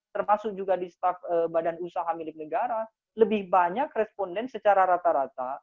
termasuk juga di staff badan usaha milik negara lebih banyak responden secara rata rata